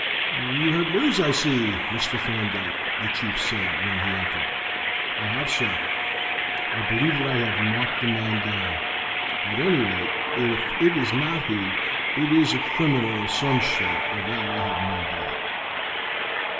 "You have news, I see, Mr. Thorndyke," the chief said when he entered. "I have, sir; I believe that I have marked the man down; at any rate, if it is not he, it is a criminal of some sort of that I have no doubt."